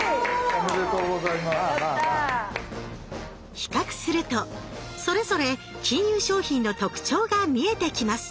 比較するとそれぞれ金融商品の特徴が見えてきます。